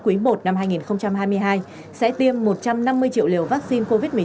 cuối một năm hai nghìn hai mươi hai sẽ tiêm một trăm năm mươi triệu liều vaccine covid một mươi chín cho bảy mươi dân số